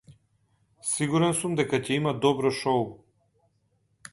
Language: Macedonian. Сигурен сум дека ќе има добро шоу.